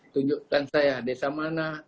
tunjukkan saya desa mana